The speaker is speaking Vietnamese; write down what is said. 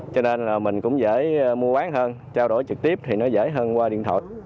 cho nên là mình cũng dễ mua bán hơn trao đổi trực tiếp thì nó dễ hơn qua điện thoại